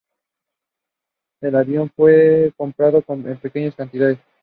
El avión fue comprado en pequeñas cantidades.